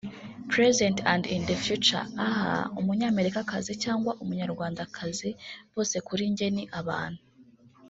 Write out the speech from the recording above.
present and in the future…Ahhahah umunyamerikakazi cyangwa umunyarwandakazi bose kuri njye ni abantu